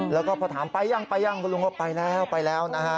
แล้วก็พอถามไปยังคุณลุงก็ไปแล้วนะฮะ